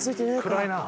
暗いな。